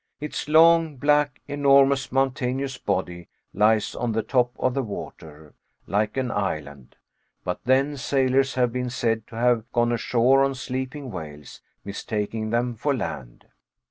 Its long, black, enormous, mountainous body, lies on the top of the water like an island. But then sailors have been said to have gone ashore on sleeping whales, mistaking them for land.